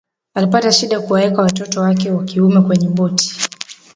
alipata shida kuwaweka watoto wake wa kiume kwenye boti